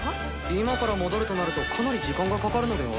今から戻るとなるとかなり時間がかかるのでは？